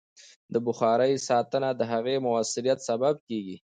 د بخارۍ ساتنه د هغې د مؤثریت سبب کېږي.